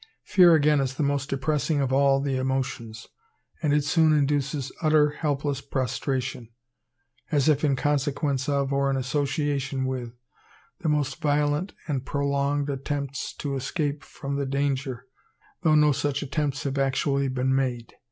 Fear again is the most depressing of all the emotions; and it soon induces utter, helpless prostration, as if in consequence of, or in association with, the most violent and prolonged attempts to escape from the danger, though no such attempts have actually been made.